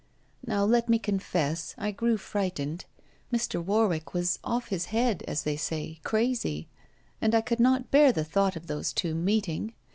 Now let me confess: I grew frightened; Mr. Warwick was "off his head," as they say crazy, and I could not bear the thought of those two meeting.